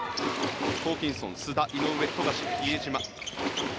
ホーキンソン、須田、井上富樫、比江島。